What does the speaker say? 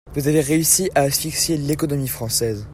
Vous avez réussi à asphyxier l’économie française.